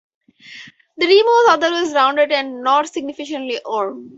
The rim is otherwise rounded and not significantly worn.